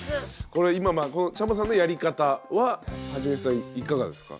これ今まあこのチャボさんのやり方ははちみつさんいかがですか？